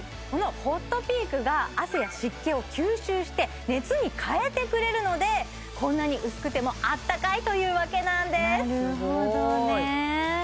このホットピークが汗や湿気を吸収して熱に変えてくれるのでこんなに薄くてもあったかいというわけなんですなるほどねー